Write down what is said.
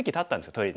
トイレに。